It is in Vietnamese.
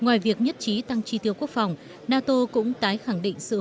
ngoài việc nhất trí tăng tri tiêu quốc phòng nato cũng tái khẳng định sự hỗ trợ của mỹ